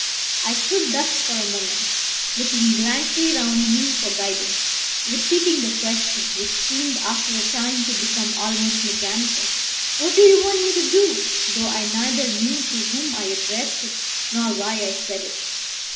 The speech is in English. I stood thus for a moment, looking blankly round me for guidance, repeating the question, which seemed after a time to become almost mechanical, "What do you want me to do?" though I neither knew to whom I addressed it nor why I said it.